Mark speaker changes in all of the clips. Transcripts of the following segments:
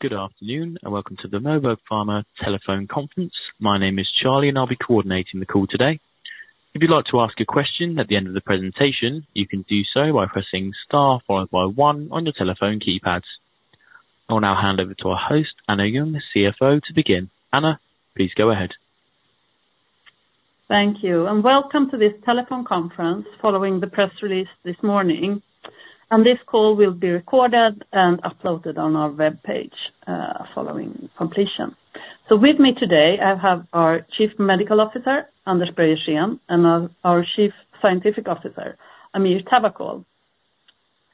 Speaker 1: Good afternoon, and welcome to the Moberg Pharma telephone conference. My name is Charlie, and I'll be coordinating the call today. If you'd like to ask a question at the end of the presentation, you can do so by pressing star followed by one on your telephone keypads. I'll now hand over to our host, Anna Ljung, CEO, to begin. Anna, please go ahead.
Speaker 2: Thank you, and welcome to this telephone conference, following the press release this morning. And this call will be recorded and uploaded on our web page following completion. With me today, I have our Chief Medical Officer, Anders Bergström, and our Chief Scientific Officer, Amir Tavakkol.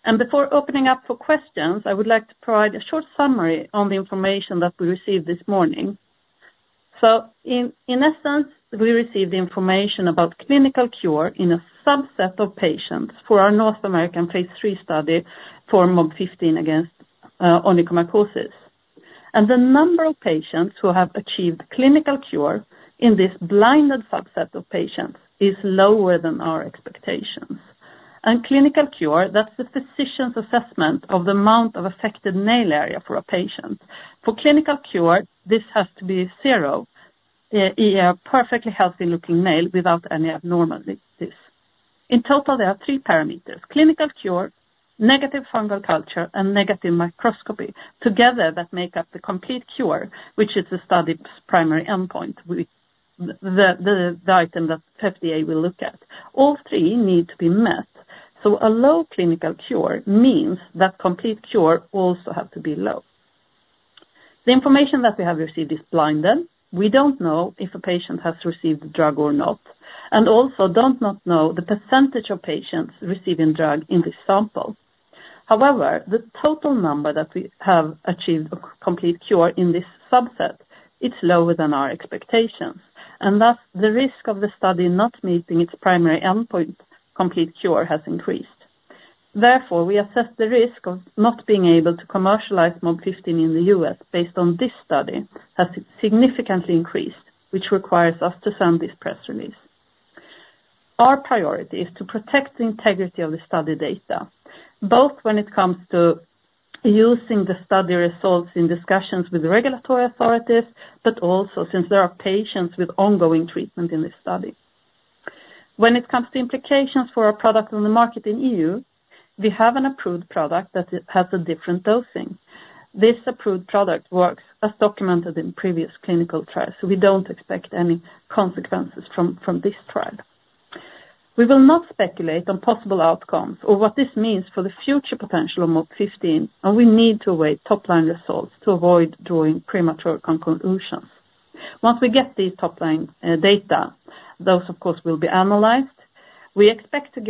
Speaker 2: And before opening up for questions, I would like to provide a short summary on the information that we received this morning. So in essence, we received information about clinical cure in a subset of patients for our North American phase III study for MOB-015 against onychomycosis. And the number of patients who have achieved clinical cure in this blinded subset of patients is lower than our expectations. And clinical cure, that's the physician's assessment of the amount of affected nail area for a patient. For clinical cure, this has to be zero, a perfectly healthy looking nail without any abnormalities. In total, there are three parameters: clinical cure, negative fungal culture, and negative microscopy. Together, that make up the complete cure, which is the study's primary endpoint, the item that the FDA will look at. All three need to be met, so a low clinical cure means that complete cure also have to be low. The information that we have received is blinded. We don't know if a patient has received the drug or not, and also do not know the percentage of patients receiving drug in this sample. However, the total number that we have achieved a complete cure in this subset is lower than our expectations, and thus the risk of the study not meeting its primary endpoint, complete cure, has increased. Therefore, we assess the risk of not being able to commercialize MOB-015 in the U.S. based on this study, has significantly increased, which requires us to send this press release. Our priority is to protect the integrity of the study data, both when it comes to using the study results in discussions with the regulatory authorities, but also since there are patients with ongoing treatment in this study. When it comes to implications for our product on the market in EU, we have an approved product that has a different dosing. This approved product works as documented in previous clinical trials, so we don't expect any consequences from this trial. We will not speculate on possible outcomes or what this means for the future potential of MOB-015, and we need to await top-line results to avoid drawing premature conclusions. Once we get these top-line data, those, of course, will be analyzed. We expect to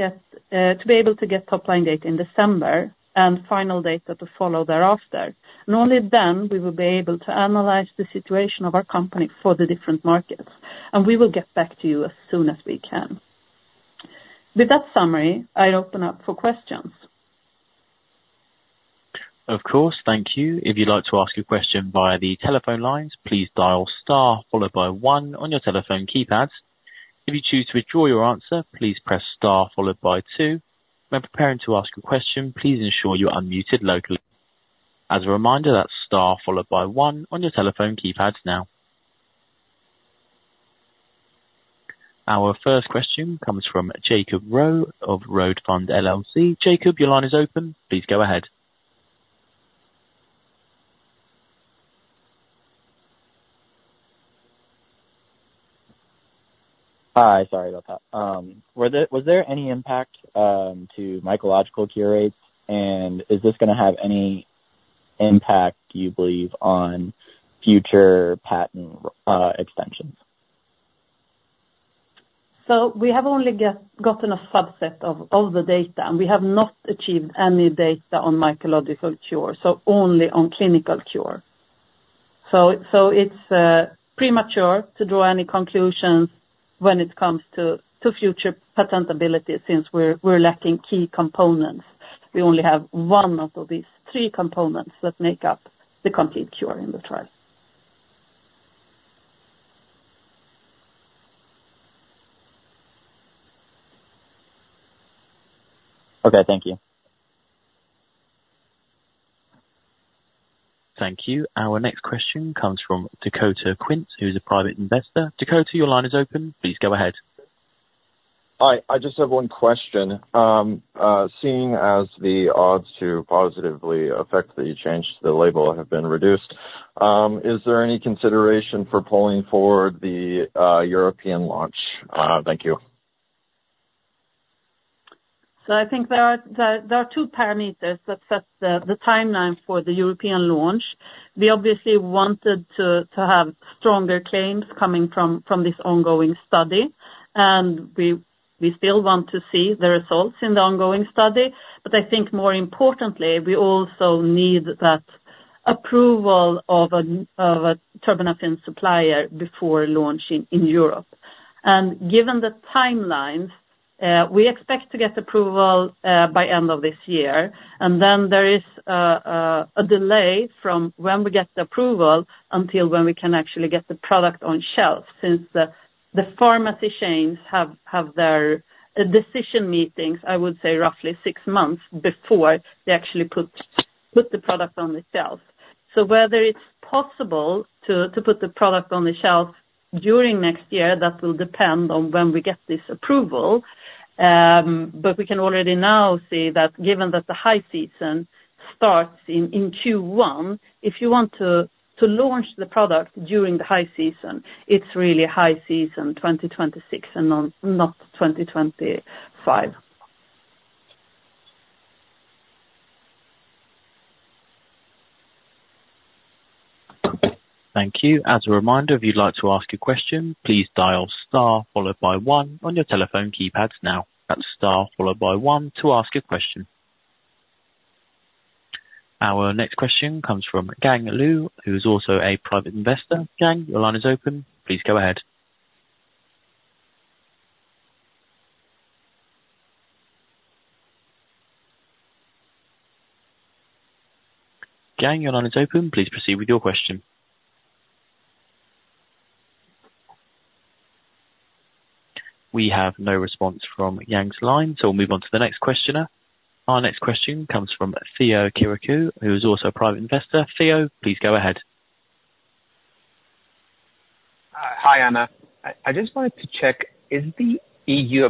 Speaker 2: be able to get top-line data in December and final data to follow thereafter, and only then we will be able to analyze the situation of our company for the different markets, and we will get back to you as soon as we can. With that summary, I open up for questions.
Speaker 1: Of course. Thank you. If you'd like to ask a question via the telephone lines, please dial star followed by one on your telephone keypads. If you choose to withdraw your answer, please press star followed by two. When preparing to ask a question, please ensure you are unmuted locally. As a reminder, that's star followed by one on your telephone keypads now. Our first question comes from Jacob Roe of Road Fund LLC. Jacob, your line is open. Please go ahead.
Speaker 3: Hi, sorry about that. Was there any impact to mycological cure rates, and is this gonna have any impact, do you believe, on future patent extensions?
Speaker 2: So we have only gotten a subset of the data, and we have not achieved any data on mycological cure, so only on clinical cure. So it's premature to draw any conclusions when it comes to future patentability since we're lacking key components. We only have one of these three components that make up the complete cure in the trial.
Speaker 3: Okay. Thank you.
Speaker 1: Thank you. Our next question comes from Dakota Quint, who's a private investor. Dakota, your line is open. Please go ahead. Hi, I just have one question. Seeing as the odds to positively affect the change to the label have been reduced, is there any consideration for pulling forward the European launch? Thank you.
Speaker 2: I think there are two parameters that set the timeline for the European launch. We obviously wanted to have stronger claims coming from this ongoing study, and we still want to see the results in the ongoing study. But I think more importantly, we also need that approval of a terbinafine supplier before launching in Europe. And given the timelines, we expect to get approval by end of this year, and then there is a delay from when we get the approval until when we can actually get the product on shelf, since the pharmacy chains have their decision meetings. I would say, roughly six months before they actually put the product on the shelf. So whether it's possible to put the product on the shelf during next year, that will depend on when we get this approval. But we can already now see that given that the high season starts in Q1, if you want to launch the product during the high season, it's really high season 2026 and not 2025.
Speaker 1: Thank you. As a reminder, if you'd like to ask a question, please dial star followed by one on your telephone keypads now. That's star followed by one to ask a question. Our next question comes from Gang Lu, who's also a private investor. Gang, your line is open. Please go ahead. Gang, your line is open. Please proceed with your question. We have no response from Gang's line, so we'll move on to the next questioner. Our next question comes from Theo Kiriku, who is also a private investor. Theo, please go ahead. Hi, Anna. I just wanted to check. Is the EU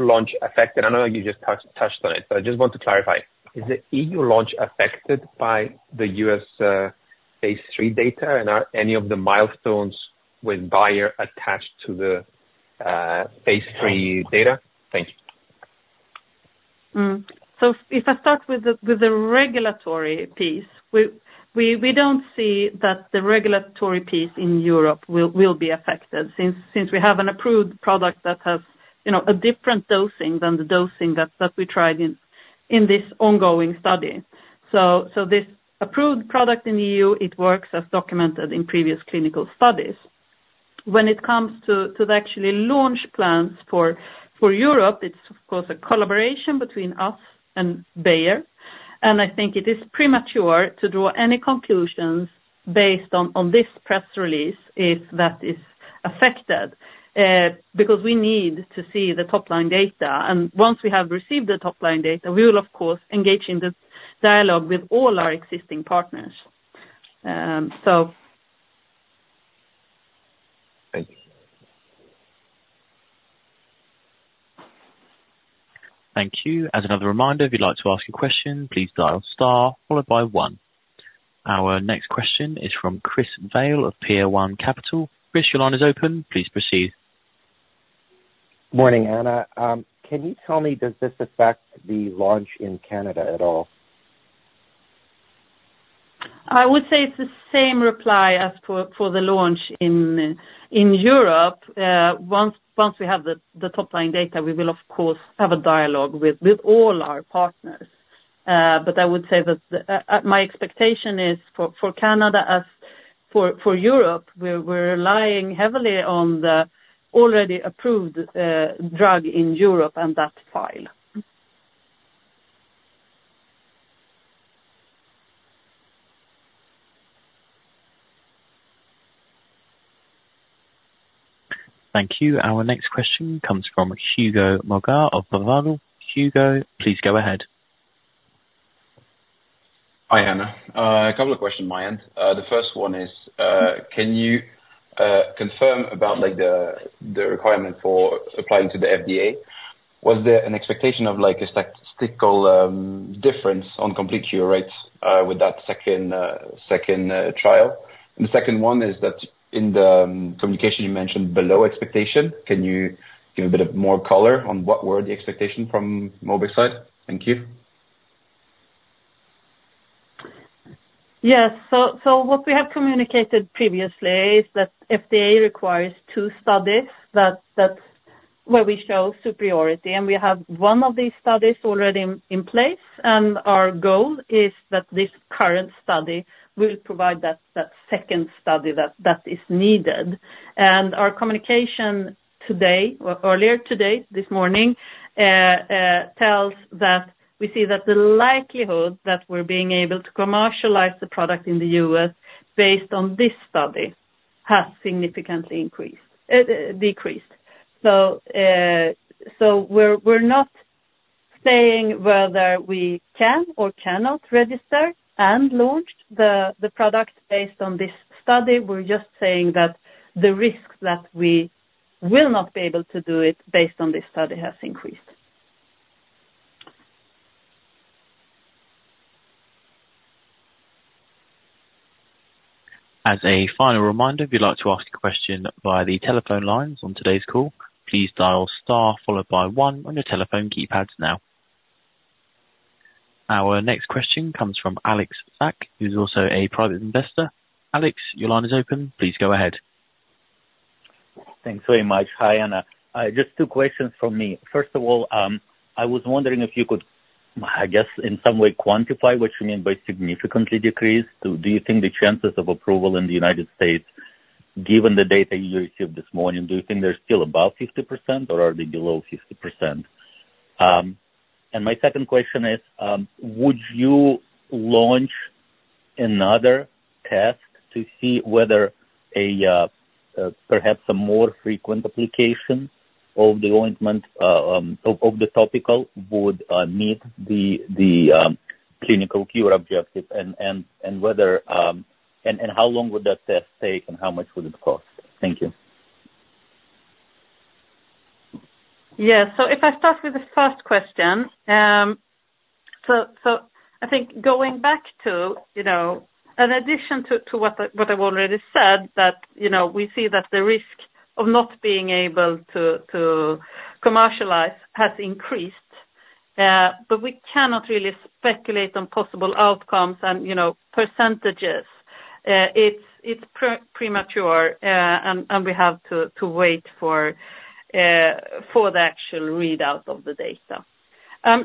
Speaker 1: launch affected? I know you just touched on it, but I just want to clarify. Is the EU launch affected by the U.S. phase III data? And are any of the milestones with Bayer attached to the phase III data? Thank you.
Speaker 2: So if I start with the regulatory piece, we don't see that the regulatory piece in Europe will be affected since we have an approved product that has, you know, a different dosing than the dosing that we tried in this ongoing study. So this approved product in the EU, it works as documented in previous clinical studies. When it comes to the actual launch plans for Europe, it's of course a collaboration between us and Bayer. And I think it is premature to draw any conclusions based on this press release if that is affected because we need to see the top-line data. And once we have received the top-line data, we will of course engage in this dialogue with all our existing partners. So. Thank you.
Speaker 1: Thank you. As another reminder, if you'd like to ask a question, please dial star followed by one. Our next question is from Chris Vale of Pier One Capital. Chris, your line is open. Please proceed.
Speaker 4: Morning, Anna. Can you tell me, does this affect the launch in Canada at all?
Speaker 2: I would say it's the same reply as for the launch in Europe. Once we have the top-line data, we will of course have a dialogue with all our partners. But I would say that my expectation is for Canada as for Europe, we're relying heavily on the already approved drug in Europe and that file.
Speaker 1: Thank you. Our next question comes from Hugo Moga of Financière Arbevel. Hugo, please go ahead.
Speaker 5: Hi, Anna. A couple of questions my end. The first one is, can you confirm about like, the requirement for applying to the FDA? Was there an expectation of, like, a statistical difference on complete cure rates, with that second trial? And the second one is that in the communication you mentioned below expectation, can you give a bit more color on what were the expectation from Moberg side? Thank you.
Speaker 2: Yes. So what we have communicated previously is that FDA requires two studies, that where we show superiority, and we have one of these studies already in place. And our goal is that this current study will provide that second study that is needed. And our communication today, or earlier today, this morning, tells that we see that the likelihood that we're being able to commercialize the product in the US based on this study, has significantly increased, decreased. So we're not saying whether we can or cannot register and launch the product based on this study. We're just saying that the risk that we will not be able to do it based on this study, has increased.
Speaker 1: As a final reminder, if you'd like to ask a question via the telephone lines on today's call, please dial star followed by one on your telephone keypads now. Our next question comes from Alex Sack, who's also a private investor. Alex, your line is open. Please go ahead. Thanks very much. Hi, Anna. Just two questions from me. First of all, I was wondering if you could, I guess, in some way quantify what you mean by significantly decreased. Do you think the chances of approval in the United States, given the data you received this morning, do you think they're still above 50% or are they below 50%? And my second question is, would you launch another test to see whether perhaps a more frequent application of the ointment of the topical would meet the clinical cure objective and whether and how long would that test take, and how much would it cost? Thank you.
Speaker 2: Yeah, so if I start with the first question, so I think going back to, you know, in addition to what I've already said, that, you know, we see that the risk of not being able to commercialize has increased, but we cannot really speculate on possible outcomes and, you know, percentages. It's premature, and we have to wait for the actual readout of the data.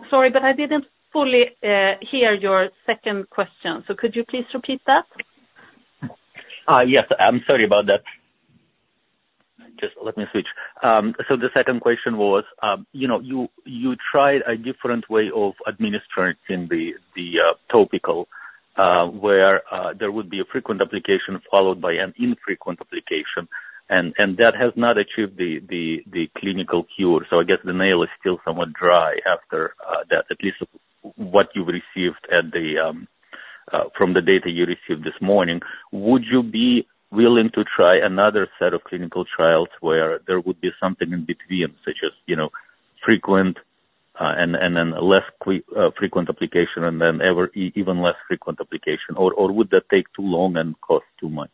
Speaker 2: Sorry, but I didn't fully hear your second question, so could you please repeat that? Yes, I'm sorry about that. Just let me switch, so the second question was, you know, you tried a different way of administering the topical, where there would be a frequent application followed by an infrequent application, and that has not achieved the clinical cure. I guess the nail is still somewhat dry after that, at least what you received from the data you received this morning. Would you be willing to try another set of clinical trials where there would be something in between, such as, you know, frequent and then a less frequent application, and then even less frequent application, or would that take too long and cost too much?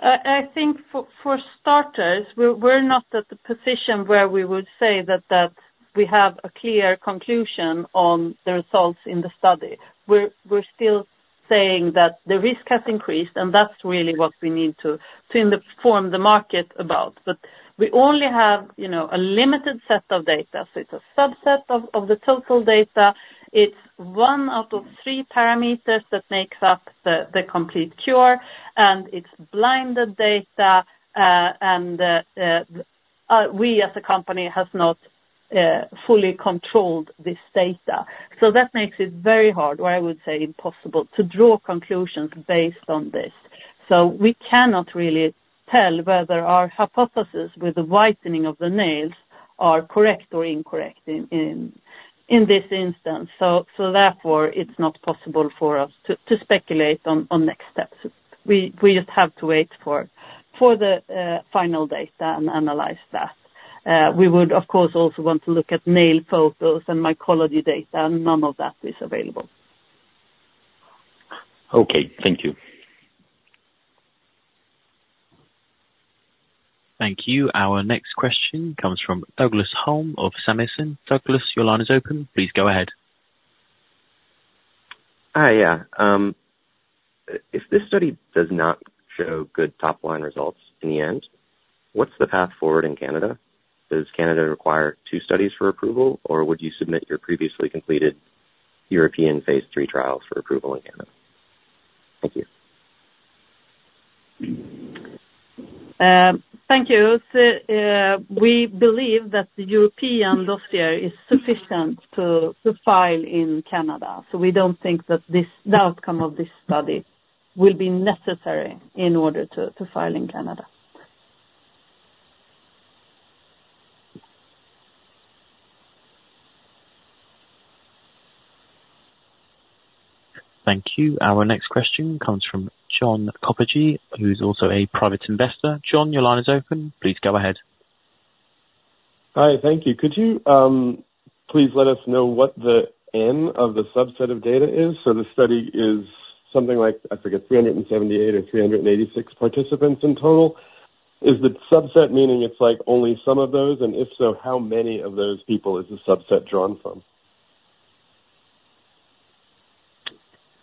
Speaker 2: I think for starters, we're not at the position where we would say that we have a clear conclusion on the results in the study. We're still saying that the risk has increased, and that's really what we need to inform the market about. But we only have, you know, a limited set of data. So it's a subset of the total data. It's one out of three parameters that makes up the complete cure, and it's blinded data. And we as a company has not fully controlled this data. So that makes it very hard, or I would say impossible, to draw conclusions based on this. So we cannot really tell whether our hypothesis with the whitening of the nails are correct or incorrect in this instance. So therefore, it's not possible for us to speculate on next steps. We just have to wait for the final data and analyze that. We would, of course, also want to look at nail photos and mycology data, and none of that is available. Okay. Thank you.
Speaker 1: Thank you. Our next question comes from Douglas Holm of Samuelson. Douglas, your line is open. Please go ahead.
Speaker 6: Hi. Yeah. If this study does not show good top-line results in the end, what's the path forward in Canada? Does Canada require two studies for approval, or would you submit your previously completed European phase III trials for approval in Canada? Thank you.
Speaker 2: Thank you. We believe that the European dossier is sufficient to file in Canada, so we don't think that the outcome of this study will be necessary in order to file in Canada.
Speaker 1: Thank you. Our next question comes from John Copperjee, who's also a private investor. John, your line is open. Please go ahead. Hi. Thank you. Could you please let us know what the N of the subset of data is? So the study is something like, I forget, 378 or 386 participants in total. Is the subset meaning it's like only some of those, and if so, how many of those people is the subset drawn from?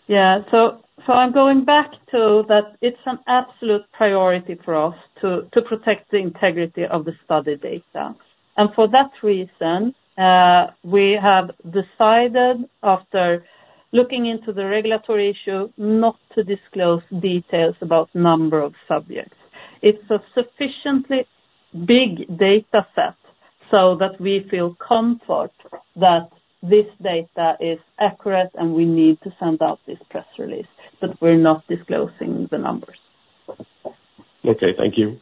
Speaker 2: Yeah. So, so I'm going back to that it's an absolute priority for us to, to protect the integrity of the study data. And for that reason, we have decided, after looking into the regulatory issue, not to disclose details about number of subjects. It's a sufficiently big data set so that we feel comfort that this data is accurate, and we need to send out this press release, but we're not disclosing the numbers. Okay. Thank you.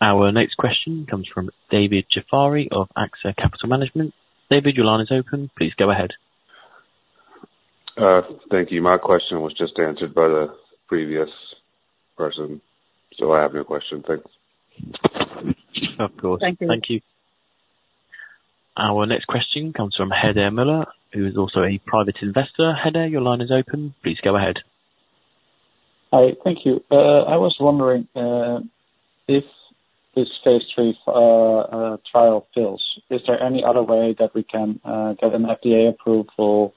Speaker 1: Our next question comes from David Jafari of AXA Capital Management. David, your line is open. Please go ahead.
Speaker 7: Thank you. My question was just answered by the previous person, so I have no question. Thanks.
Speaker 1: Of course.
Speaker 2: Thank you.
Speaker 1: Thank you. Our next question comes from Heather Mueller, who is also a private investor. Hedera, your line is open. Please go ahead. Hi. Thank you. I was wondering, if this phase III trial fails, is there any other way that we can get an FDA approval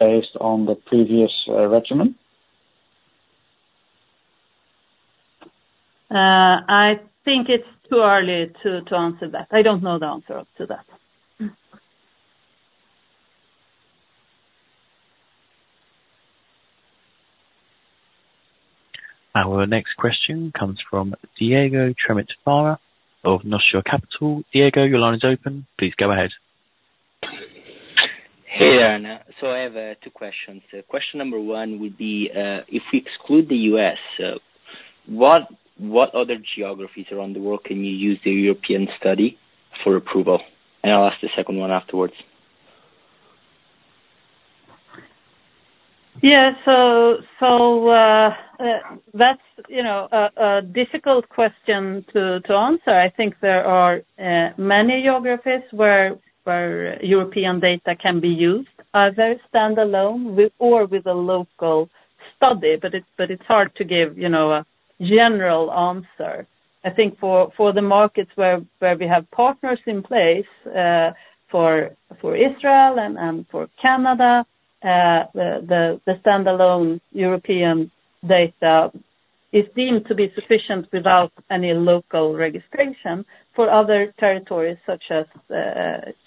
Speaker 1: based on the previous regimen?
Speaker 2: I think it's too early to answer that. I don't know the answer to that. ...
Speaker 1: Our next question comes from Diego Trematerra of Nostra Capital. Diego, your line is open. Please go ahead.
Speaker 8: Hey, Anna. So I have two questions. Question number one would be, if we exclude the U.S., what other geographies around the world can you use the European study for approval? And I'll ask the second one afterwards.
Speaker 2: Yeah. So, that's, you know, a difficult question to answer. I think there are many geographies where European data can be used, either standalone or with a local study. But it's hard to give, you know, a general answer. I think for the markets where we have partners in place, for Israel and for Canada, the standalone European data is deemed to be sufficient without any local registration. For other territories such as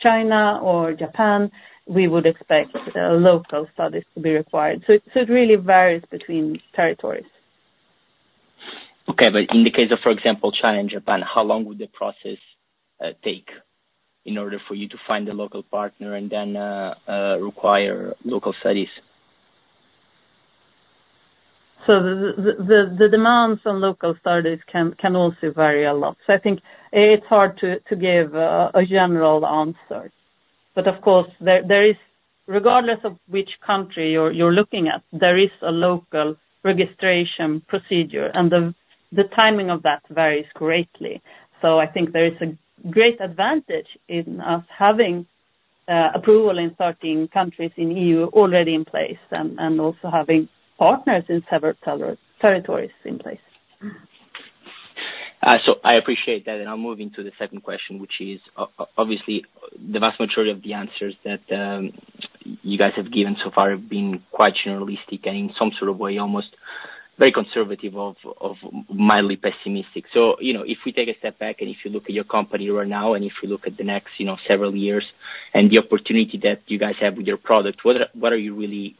Speaker 2: China or Japan, we would expect local studies to be required. So it really varies between territories.
Speaker 8: Okay. But in the case of, for example, China and Japan, how long would the process take in order for you to find a local partner and then require local studies?
Speaker 2: So the demands on local studies can also vary a lot. So I think it's hard to give a general answer. But of course, there is... Regardless of which country you're looking at, there is a local registration procedure, and the timing of that varies greatly. So I think there is a great advantage in us having approval in 13 countries in EU already in place and also having partners in several territories in place.
Speaker 8: So I appreciate that, and I'll move into the second question, which is obviously, the vast majority of the answers that you guys have given so far have been quite generalistic and in some sort of way, almost very conservative or mildly pessimistic. So, you know, if we take a step back and if you look at your company right now, and if you look at the next, you know, several years and the opportunity that you guys have with your product, what are you really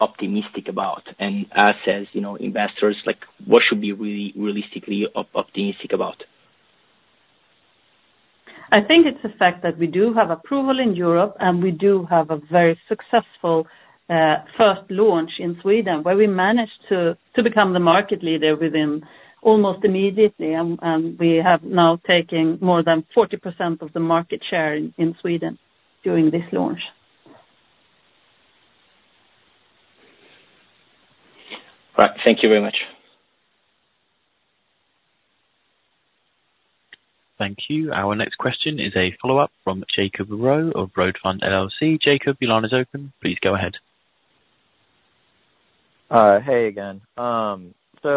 Speaker 8: optimistic about? And us as, you know, investors, like, what should we be really realistically optimistic about?
Speaker 2: I think it's the fact that we do have approval in Europe, and we do have a very successful first launch in Sweden, where we managed to become the market leader within almost immediately, and we have now taken more than 40% of the market share in Sweden during this launch.
Speaker 8: Right. Thank you very much.
Speaker 1: Thank you. Our next question is a follow-up from Jacob Roe of Road Fund LLC. Jacob, your line is open. Please go ahead.
Speaker 3: Hey again. So,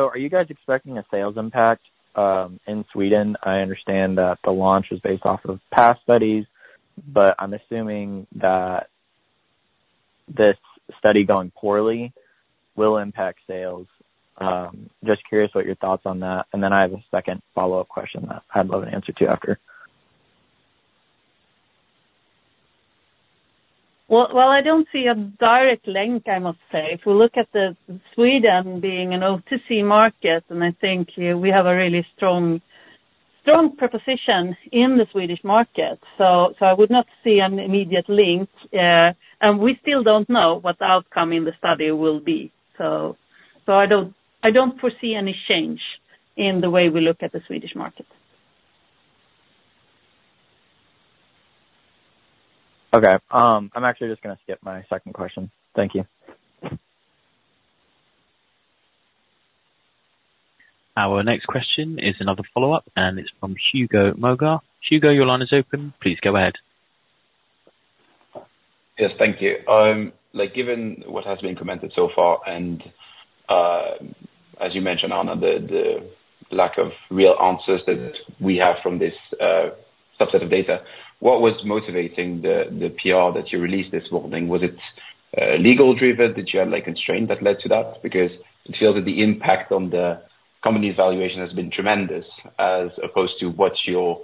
Speaker 3: are you guys expecting a sales impact in Sweden? I understand that the launch is based off of past studies, but I'm assuming that this study going poorly will impact sales. Just curious what your thoughts on that, and then I have a second follow-up question that I'd love an answer to after.
Speaker 2: I don't see a direct link, I must say. If we look at the Sweden being an OTC market, and I think we have a really strong proposition in the Swedish market. I would not see an immediate link, and we still don't know what the outcome in the study will be. I don't foresee any change in the way we look at the Swedish market.
Speaker 3: Okay. I'm actually just gonna skip my second question. Thank you.
Speaker 1: Our next question is another follow-up, and it's from Hugo Moga. Hugo, your line is open. Please go ahead.
Speaker 5: Yes, thank you. Like, given what has been commented so far and, as you mentioned on the lack of real answers that we have from this subset of data, what was motivating the PR that you released this morning? Was it legal driven? Did you have, like, a constraint that led to that? Because it feels that the impact on the company's valuation has been tremendous, as opposed to what you're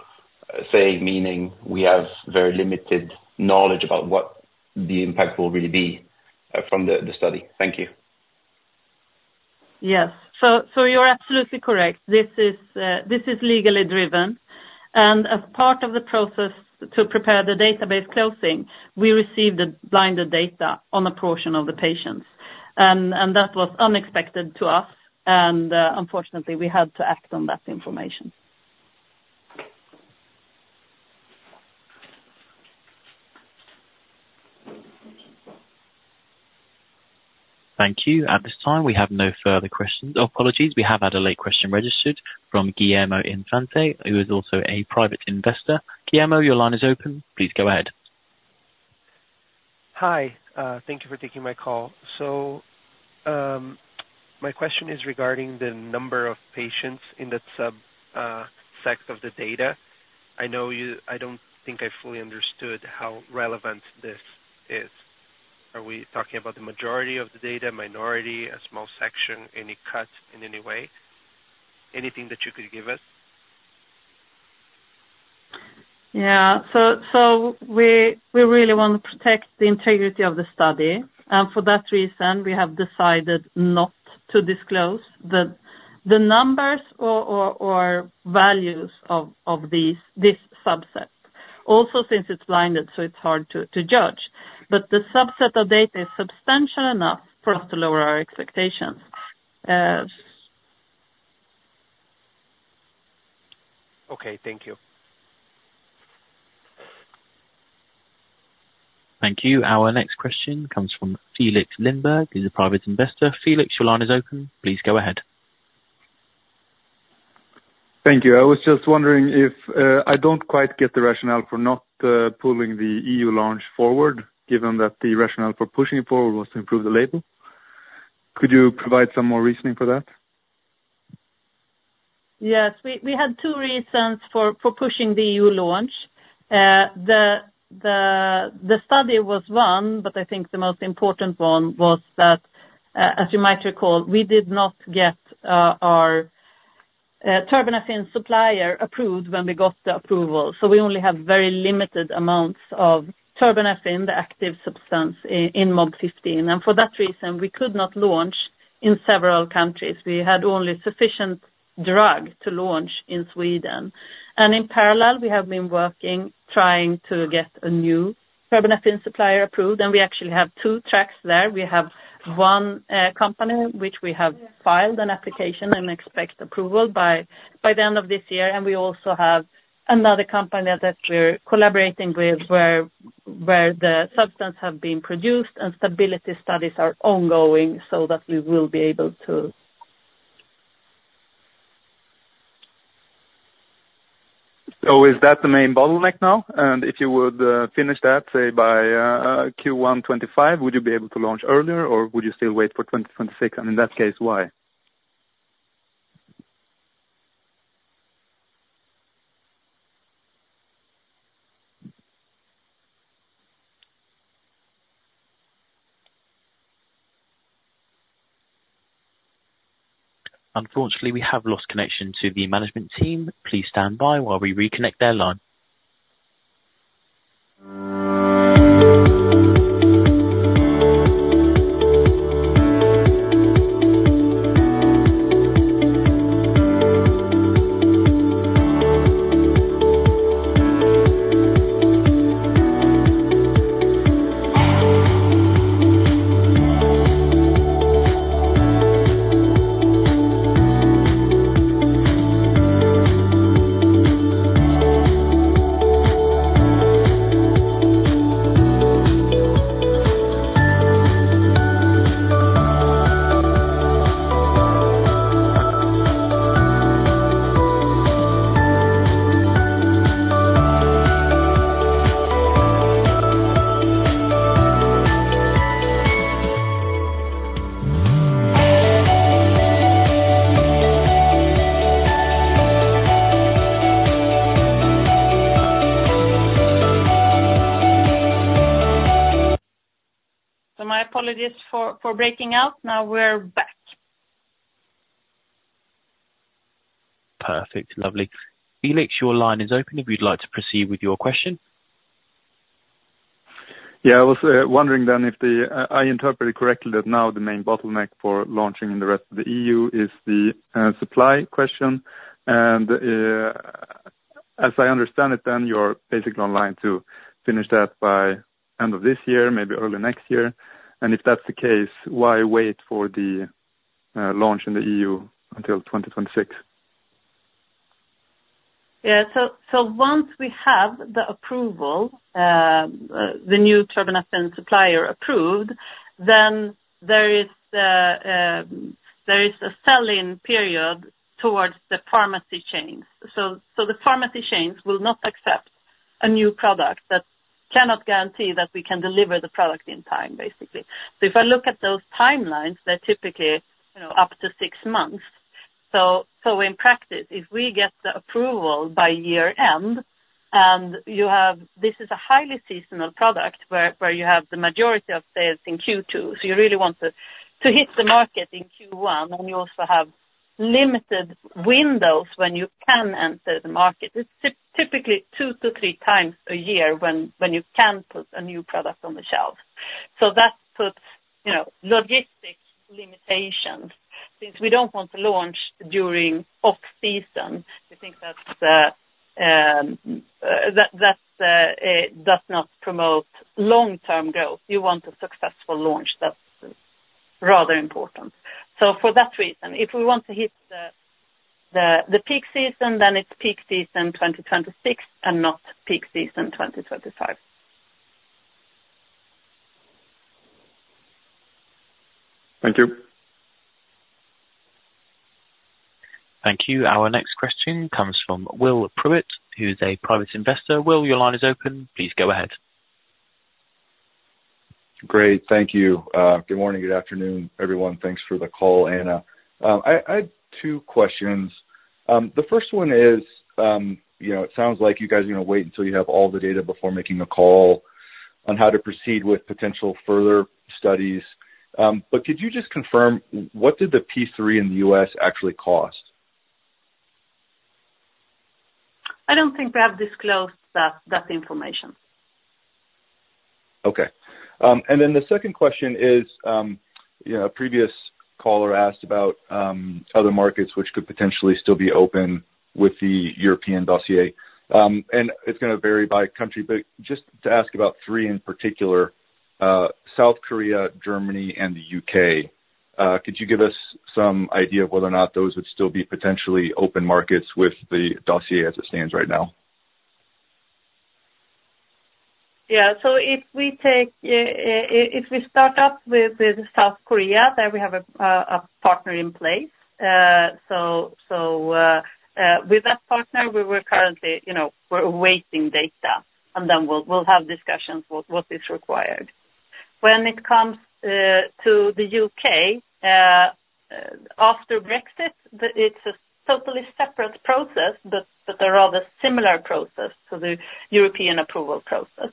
Speaker 5: saying, meaning we have very limited knowledge about what the impact will really be from the study. Thank you.
Speaker 2: Yes. So, so you're absolutely correct. This is, this is legally driven, and as part of the process to prepare the database closing, we received the blinded data on a portion of the patients. And that was unexpected to us, and, unfortunately, we had to act on that information.
Speaker 1: Thank you. At this time, we have no further questions. Oh, apologies. We have had a late question registered from Guillermo Infante, who is also a private investor. Guillermo, your line is open. Please go ahead. Hi. Thank you for taking my call. So, my question is regarding the number of patients in that subset of the data. I know you... I don't think I fully understood how relevant this is. Are we talking about the majority of the data, minority, a small section, any cut in any way? Anything that you could give us?...
Speaker 2: Yeah, so we really want to protect the integrity of the study, and for that reason, we have decided not to disclose the numbers or values of this subset. Also, since it's blinded, it's hard to judge, but the subset of data is substantial enough for us to lower our expectations. Okay, thank you.
Speaker 1: Thank you. Our next question comes from Felix Lindbergh. He's a private investor. Felix, your line is open. Please go ahead. Thank you. I was just wondering if I don't quite get the rationale for not pulling the EU launch forward, given that the rationale for pushing it forward was to improve the label. Could you provide some more reasoning for that?
Speaker 2: Yes. We had two reasons for pushing the EU launch. The study was one, but I think the most important one was that, as you might recall, we did not get our terbinafine supplier approved when we got the approval. So we only have very limited amounts of terbinafine, the active substance in MOB-015, and for that reason, we could not launch in several countries. We had only sufficient drug to launch in Sweden. And in parallel, we have been working, trying to get a new terbinafine supplier approved, and we actually have two tracks there. We have one company, which we have filed an application and expect approval by the end of this year. We also have another company that we're collaborating with, where the substance have been produced and stability studies are ongoing, so that we will be able to. So is that the main bottleneck now? And if you would finish that, say, by Q1 2025, would you be able to launch earlier, or would you still wait for 2026? And in that case, why?
Speaker 1: Unfortunately, we have lost connection to the management team. Please stand by while we reconnect their line.
Speaker 2: My apologies for breaking out. Now we're back.
Speaker 1: Perfect. Lovely. Felix, your line is open if you'd like to proceed with your question. Yeah, I was wondering then if the... I interpreted correctly, that now the main bottleneck for launching in the rest of the EU is the supply question, and as I understand it, then you're basically online to finish that by end of this year, maybe early next year, and if that's the case, why wait for the launch in the EU until twenty twenty-six?
Speaker 2: Yeah. So once we have the approval, the new terbinafine supplier approved, then there is a sell-in period towards the pharmacy chains. So the pharmacy chains will not accept a new product that cannot guarantee that we can deliver the product in time, basically. So if I look at those timelines, they're typically, you know, up to six months. So in practice, if we get the approval by year end, and you have this is a highly seasonal product where you have the majority of sales in Q2, so you really want to hit the market in Q1, and you also have limited windows when you can enter the market. It's typically two to three times a year when you can put a new product on the shelf. So that puts, you know, logistics limitations, since we don't want to launch during off-season. We think that's that does not promote long-term growth. You want a successful launch. That's rather important. So for that reason, if we want to hit the peak season, then it's peak season twenty twenty-six and not peak season twenty twenty-five. Thank you.
Speaker 1: Thank you. Our next question comes from Will Pruitt, who is a private investor. Will, your line is open. Please go ahead. Great. Thank you. Good morning, good afternoon, everyone. Thanks for the call, Anna. I had two questions. The first one is, you know, it sounds like you guys are gonna wait until you have all the data before making a call on how to proceed with potential further studies. But could you just confirm, what did the P3 in the U.S. actually cost?
Speaker 2: I don't think we have disclosed that, that information. Okay. And then the second question is, you know, a previous caller asked about other markets which could potentially still be open with the European dossier. And it's gonna vary by country, but just to ask about three in particular, South Korea, Germany, and the U.K. Could you give us some idea of whether or not those would still be potentially open markets with the dossier as it stands right now? Yeah. So if we start up with South Korea, there we have a partner in place. So with that partner, we were currently, you know, we're awaiting data, and then we'll have discussions with what is required. When it comes to the U.K., after Brexit, it's a totally separate process, but a rather similar process to the European approval process.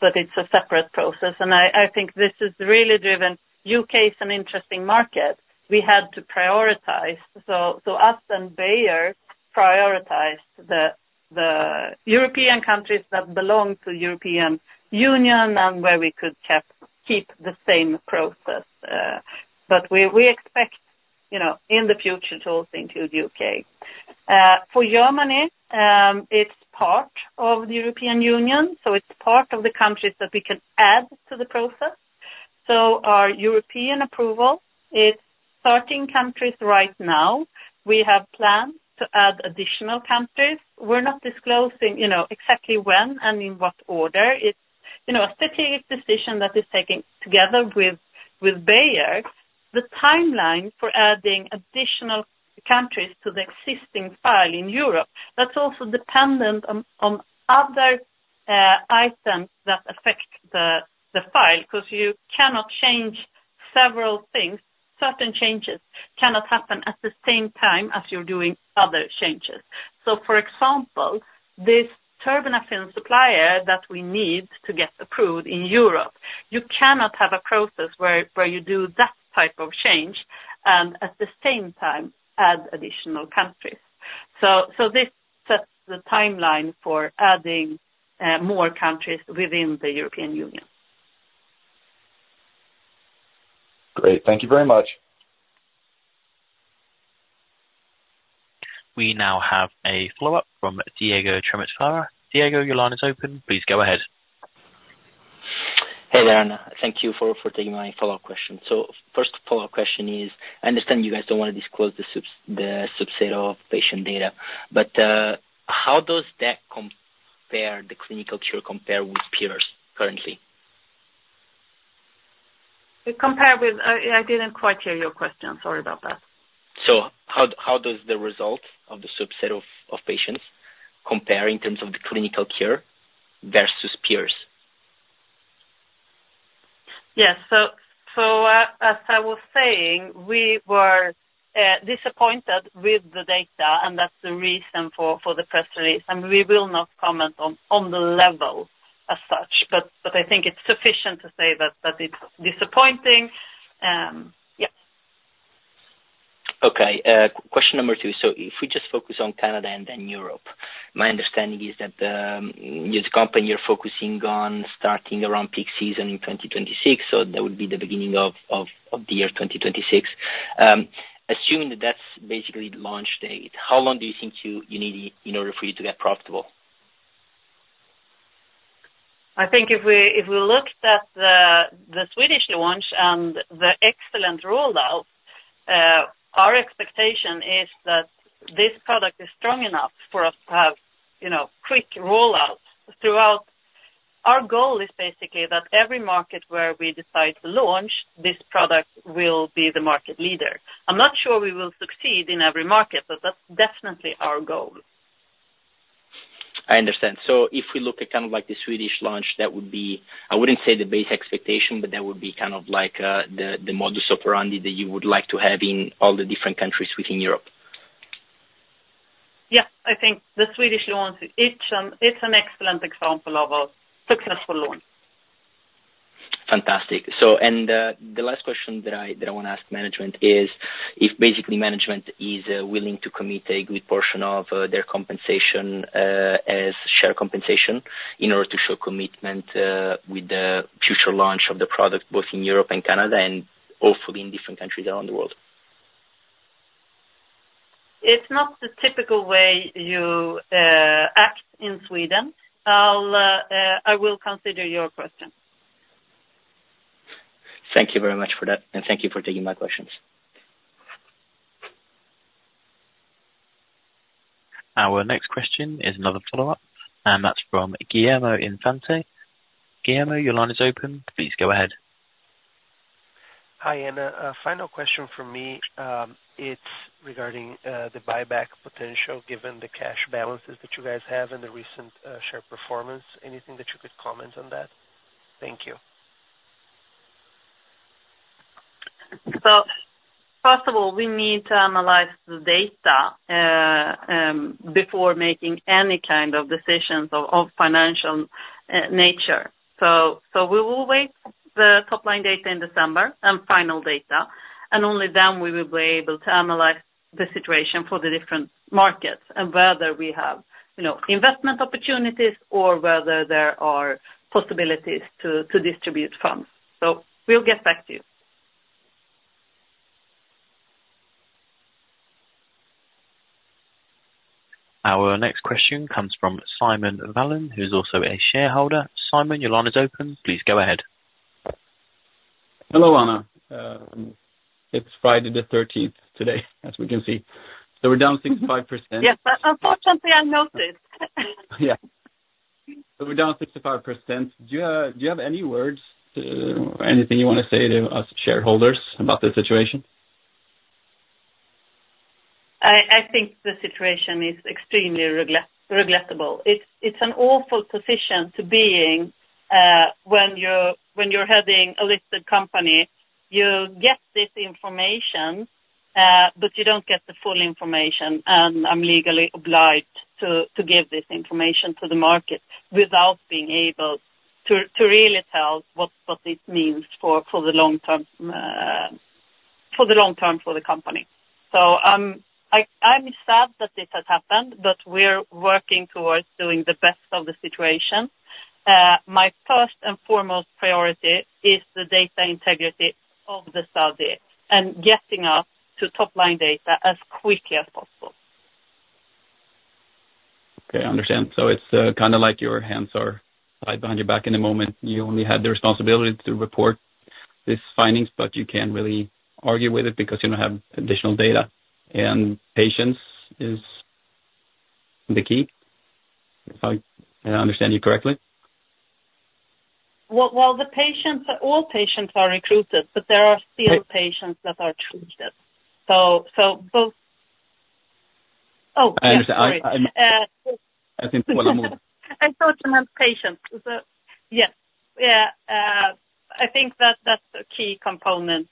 Speaker 2: But it's a separate process, and I think this is really driven... U.K. is an interesting market. We had to prioritize, so us and Bayer prioritized the European countries that belong to European Union and where we could keep the same process, but we expect, you know, in the future to also include U.K. For Germany, it's part of the European Union, so it's part of the countries that we can add to the process. So our European approval is starting countries right now. We have plans to add additional countries. We're not disclosing, you know, exactly when and in what order. It's, you know, a strategic decision that is taken together with Bayer. The timeline for adding additional countries to the existing file in Europe, that's also dependent on other items that affect the file, because you cannot change several things. Certain changes cannot happen at the same time as you're doing other changes. So, for example, this terbinafine supplier that we need to get approved in Europe, you cannot have a process where you do that type of change, and at the same time, add additional countries. This sets the timeline for adding more countries within the European Union. Great. Thank you very much.
Speaker 1: We now have a follow-up from Diego Trematerra. Diego, your line is open. Please go ahead.
Speaker 8: Hey there, and thank you for taking my follow-up question. So first follow-up question is, I understand you guys don't want to disclose the subset of patient data, but how does that compare, the clinical trial compare with peers currently?
Speaker 2: I didn't quite hear your question. Sorry about that.
Speaker 8: How does the result of the subset of patients compare in terms of the clinical cure versus peers?
Speaker 2: Yes. So, as I was saying, we were disappointed with the data, and that's the reason for the press release, and we will not comment on the level as such, but I think it's sufficient to say that it's disappointing. Yes.
Speaker 8: Okay, question number two. So if we just focus on Canada and then Europe, my understanding is that the company you're focusing on starting around peak season in twenty twenty-six, so that would be the beginning of the year twenty twenty-six. Assuming that's basically the launch date, how long do you think you need in order for you to get profitable?
Speaker 2: I think if we looked at the Swedish launch and the excellent rollout, our expectation is that this product is strong enough for us to have, you know, quick rollouts throughout. Our goal is basically that every market where we decide to launch this product will be the market leader. I'm not sure we will succeed in every market, but that's definitely our goal.
Speaker 8: I understand. So if we look at kind of like the Swedish launch, that would be, I wouldn't say the base expectation, but that would be kind of like, the modus operandi that you would like to have in all the different countries within Europe.
Speaker 2: Yeah. I think the Swedish launch, it's an excellent example of a successful launch.
Speaker 8: Fantastic. So, and, the last question that I want to ask management is, if basically management is willing to commit a good portion of their compensation as share compensation in order to show commitment with the future launch of the product, both in Europe and Canada, and also in different countries around the world?
Speaker 2: It's not the typical way you act in Sweden. I'll consider your question.
Speaker 8: Thank you very much for that, and thank you for taking my questions.
Speaker 1: Our next question is another follow-up, and that's from Guillermo Infante. Guillermo, your line is open. Please go ahead. Hi, Anna. A final question from me. It's regarding the buyback potential, given the cash balances that you guys have and the recent share performance. Anything that you could comment on that? Thank you....
Speaker 2: So first of all, we need to analyze the data before making any kind of decisions of financial nature. So we will wait the top-line data in December and final data, and only then we will be able to analyze the situation for the different markets and whether we have, you know, investment opportunities or whether there are possibilities to distribute funds. So we'll get back to you.
Speaker 1: Our next question comes from Simon Valen, who is also a shareholder. Simon, your line is open. Please go ahead.
Speaker 9: Hello, Anna. It's Friday the thirteenth today, as we can see. So we're down 65%.
Speaker 2: Yes, but unfortunately, I noticed.
Speaker 9: Yeah. So we're down 65%. Do you have, do you have any words, anything you want to say to us shareholders about the situation?
Speaker 2: I think the situation is extremely regrettable. It's an awful position to be in when you're heading a listed company. You get this information, but you don't get the full information, and I'm legally obliged to give this information to the market without being able to really tell what this means for the long term for the company. I'm sad that this has happened, but we're working towards doing the best of the situation. My first and foremost priority is the data integrity of the study and getting us to top-line data as quickly as possible.
Speaker 9: Okay, I understand. So it's kinda like your hands are tied behind your back in the moment. You only have the responsibility to report these findings, but you can't really argue with it because you don't have additional data, and patience is the key, if I understand you correctly?
Speaker 2: The patients, all patients are recruited, but there are still- patients that are recruited. So both... Oh, yes, sorry.
Speaker 9: I think, well, I'm all.
Speaker 2: I thought you meant patients. So yes. Yeah, I think that that's a key component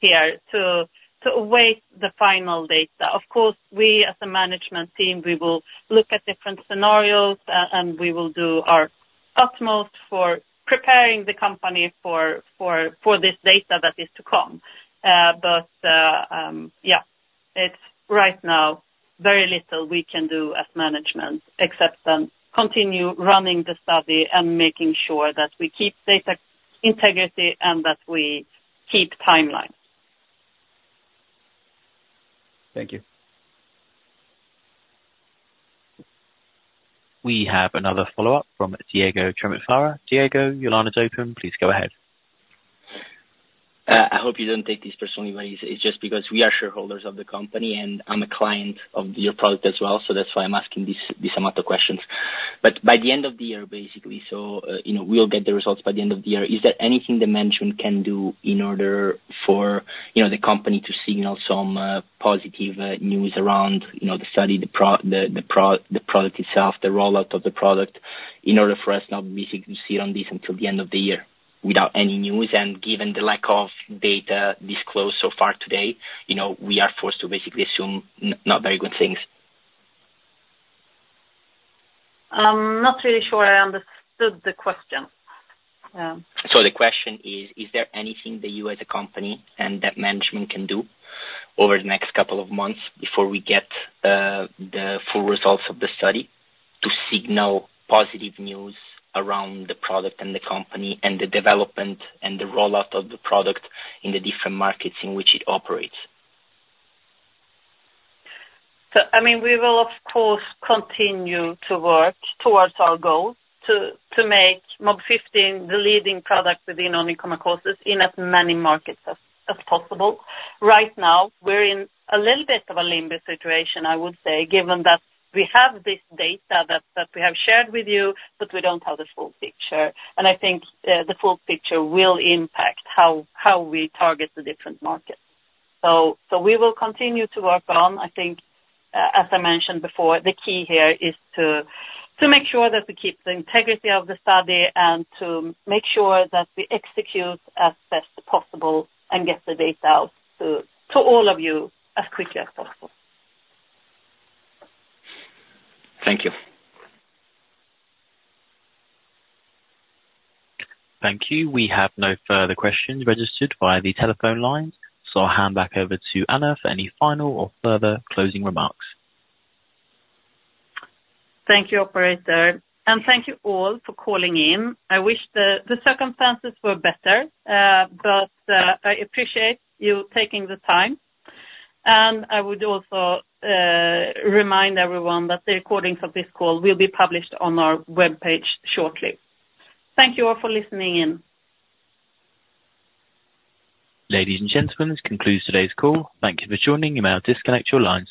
Speaker 2: here to await the final data. Of course, we as a management team, we will look at different scenarios, and we will do our utmost for preparing the company for this data that is to come. But, yeah, it's right now, very little we can do as management except continue running the study and making sure that we keep data integrity and that we keep timelines.
Speaker 9: Thank you.
Speaker 1: We have another follow-up from Diego Trematerra. Diego, your line is open. Please go ahead.
Speaker 8: I hope you don't take this personally, but it's just because we are shareholders of the company, and I'm a client of your product as well, so that's why I'm asking these amount of questions. But by the end of the year, basically, you know, we'll get the results by the end of the year. Is there anything the management can do in order for, you know, the company to signal some positive news around, you know, the study, the product itself, the rollout of the product, in order for us not to basically sit on this until the end of the year without any news, and given the lack of data disclosed so far today, you know, we are forced to basically assume not very good things?
Speaker 2: I'm not really sure I understood the question.
Speaker 8: So the question is, is there anything that you, as a company and that management can do over the next couple of months before we get the full results of the study, to signal positive news around the product and the company and the development and the rollout of the product in the different markets in which it operates?
Speaker 2: So, I mean, we will, of course, continue to work towards our goal to make MOB-015 the leading product within onychomycosis in as many markets as possible. Right now, we're in a little bit of a limbo situation, I would say, given that we have this data that we have shared with you, but we don't have the full picture. And I think the full picture will impact how we target the different markets. So we will continue to work on. I think, as I mentioned before, the key here is to make sure that we keep the integrity of the study and to make sure that we execute as best possible and get the data out to all of you as quickly as possible.
Speaker 8: Thank you.
Speaker 1: Thank you. We have no further questions registered via the telephone lines, so I'll hand back over to Anna for any final or further closing remarks.
Speaker 2: Thank you, operator, and thank you all for calling in. I wish the circumstances were better, but I appreciate you taking the time. And I would also remind everyone that the recordings of this call will be published on our webpage shortly. Thank you all for listening in.
Speaker 1: Ladies and gentlemen, this concludes today's call. Thank you for joining. You may now disconnect your lines.